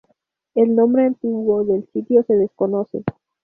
El nombre antiguo del sitio se desconoce.